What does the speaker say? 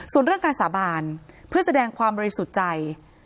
ส่วนเรื่องการสาบานเพื่อแสดงความบริสุทธิ์ใจ